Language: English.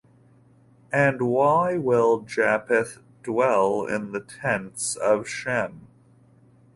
And why will Japheth "dwell in the tents of Shem"?